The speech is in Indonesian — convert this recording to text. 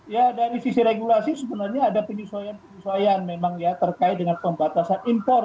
ya dari sisi regulasi sebenarnya ada penyesuaian penyesuaian memang ya terkait dengan pembatasan impor